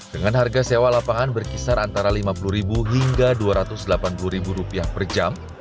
dengan harga sewa lapangan berkisar antara rp lima puluh hingga rp dua ratus delapan puluh per jam